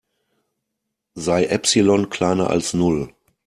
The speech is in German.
Sei Epsilon kleiner als Null.